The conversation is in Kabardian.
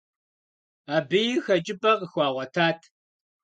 Абыи хэкӏыпӏэ къыхуагъуэтат.